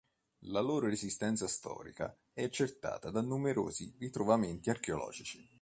La loro esistenza storica è accertata da numerosi ritrovamenti archeologici.